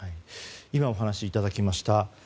今、お話しいただきました